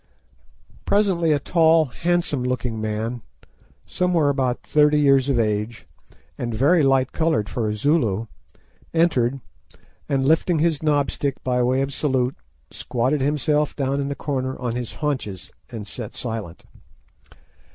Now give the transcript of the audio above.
Presently a tall, handsome looking man, somewhere about thirty years of age, and very light coloured for a Zulu, entered, and lifting his knob stick by way of salute, squatted himself down in the corner on his haunches, and sat silent.